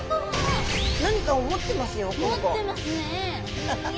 何かを持ってますよ